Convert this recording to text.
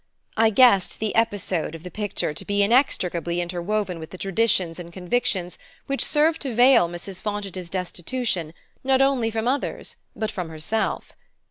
I guessed the episode of the picture to be inextricably interwoven with the traditions and convictions which served to veil Mrs. Fontage's destitution not only from others but from herself.